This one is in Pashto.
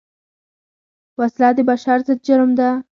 وسله د بشر ضد جرم ده